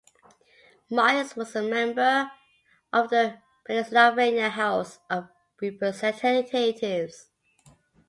Myers was a member of the Pennsylvania House of Representatives.